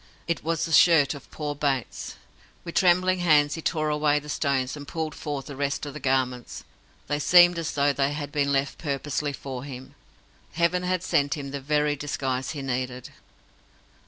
It was the shirt of poor Bates. With trembling hands he tore away the stones, and pulled forth the rest of the garments. They seemed as though they had been left purposely for him. Heaven had sent him the very disguise he needed.